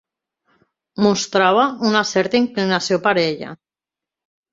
Mostrava una certa inclinació per ella.